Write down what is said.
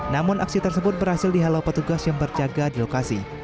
namun aksi tersebut berhasil dihalau petugas yang berjaga di lokasi